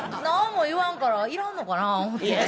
何も言わんからいらんのかな思うて。